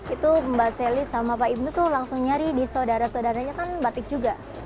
itu mbak sally sama pak ibnu tuh langsung nyari di saudara saudaranya kan batik juga